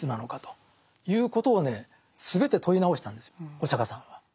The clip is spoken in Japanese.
お釈迦さんは。